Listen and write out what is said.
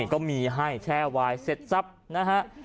ก็มีให้แช่วายเสร็จทรัพย์นะฮะ